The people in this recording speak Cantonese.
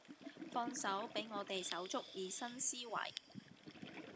放手畀我哋手足以新思維